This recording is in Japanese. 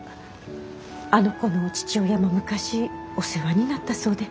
あの子の父親も昔お世話になったそうで。